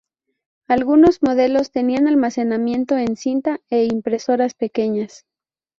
Algunos modelos tenían almacenamiento en cinta e impresoras pequeñas.